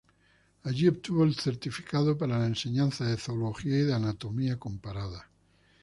Allí obtuvo el certificado para la enseñanza de zoología y de anatomía comparada.